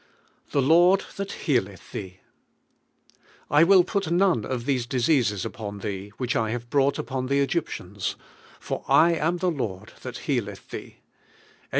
THE LORD THAT HEALETH THEE I will put noue of tfiese discuses upon tuee which 1 have brought upon tlie Egyptians, for I iuii itif Lord ttiat healeth thee (Ex.